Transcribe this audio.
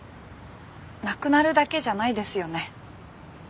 なくなるだけじゃないですよね。